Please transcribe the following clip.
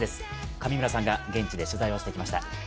上村さんが現地で取材してきました。